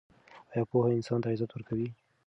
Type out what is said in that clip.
آیا پوهه انسان ته عزت ورکوي؟